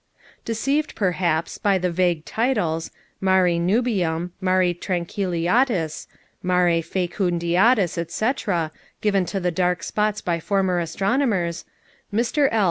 Deceived, perhaps, by the vague titles, Mare Nubium, Mare Tranquillitatis, Mare Faecunditatis, etc., given to the dark spots by former astronomers, Mr. L.